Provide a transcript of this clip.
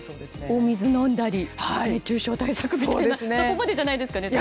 お水を飲んだり熱中症対策みたいなそこまでじゃないですかね？